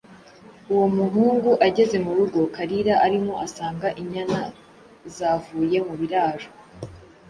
Uwo muhungu ageze mu rugo Kalira arimo asanga inyana zavuye mu biraro